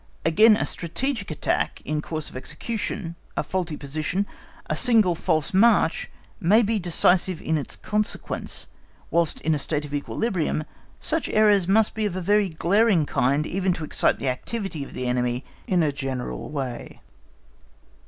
Again, a strategic attack in course of execution, a faulty position, a single false march, may be decisive in its consequence; whilst in a state of equilibrium such errors must be of a very glaring kind, even to excite the activity of the enemy in a general way.